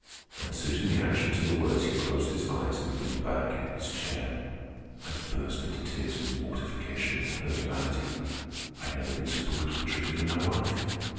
And suiting the action to the words, he closed his eyes and leaned back in his chair. I burst into tears of mortification and hurt vanity. I had never been so brutally treated in my life.